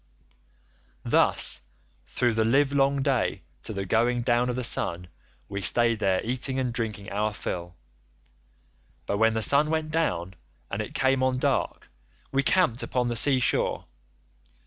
"Thus through the livelong day to the going down of the sun we stayed there eating and drinking our fill, but when the sun went down and it came on dark, we camped upon the sea shore.